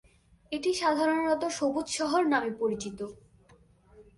এটি সাধারণত "সবুজ শহর" নামে পরিচিত।